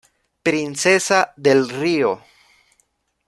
Princesa del río.